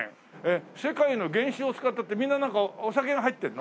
世界の原酒を使ったってみんななんかお酒が入ってるの？